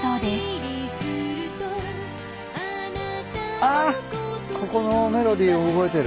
あっここのメロディー覚えてる。